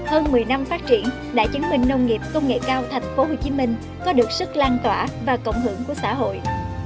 hơn một mươi năm phát triển đã chứng minh nông nghiệp công nghệ cao thành phố hồ chí minh có được sức lan tỏa và cộng hưởng của xã hội